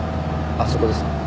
あそこです。